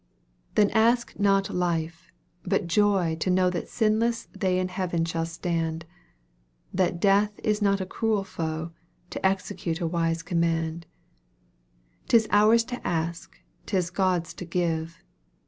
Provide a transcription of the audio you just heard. "Then ask not life, but joy to know That sinless they in heaven shall stand; That Death is not a cruel foe, To execute a wise command. 'Tis ours to ask, 'tis God's to give.